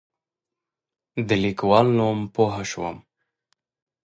د لیکوال نوم پوه شوم.